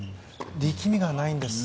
力みがないんです。